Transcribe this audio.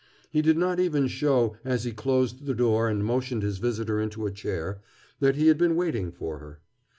He did not even show, as he closed the door and motioned his visitor into a chair, that he had been waiting for her.